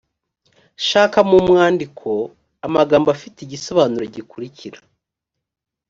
shaka mu mwandiko amagambo afite igisobanuro gikurikira